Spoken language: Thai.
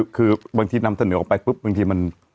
คือบางทีนำเสนอออกไปปุ๊บบางทีมัน